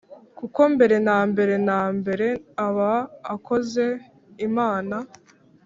kuko mbere na mbere na mbere aba akoze imana